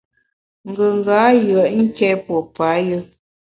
Ngùnga yùet nké pue payù.